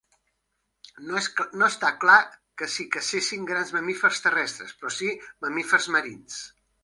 No està clar que s'hi cacessin grans mamífers terrestres, però sí mamífers marins.